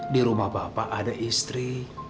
di rumah bapak ada istri